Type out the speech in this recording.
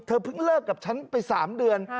เพิ่งเลิกกับฉันไป๓เดือน